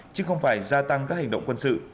chứ không phải gia tăng các hành động quân sự